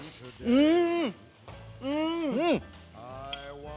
うん！